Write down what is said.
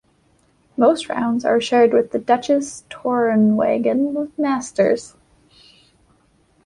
Most rounds are shared with the Deutsche Tourenwagen Masters.